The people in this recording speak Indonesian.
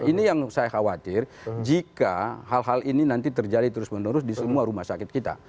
ini yang saya khawatir jika hal hal ini nanti terjadi terus menerus di semua rumah sakit kita